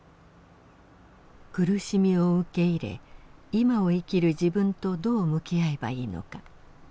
苦しみを受け入れいまを生きる自分とどう向き合えばいいのか。